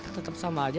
tetap sama aja